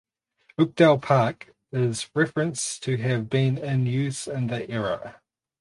Oakdale Park is referenced to have been in use in the era.